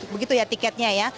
begitu ya tiketnya ya